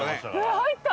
入った。